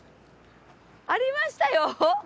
ありましたよ。